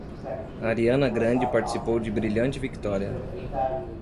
Ariana Grande participou de Brilhante Victória.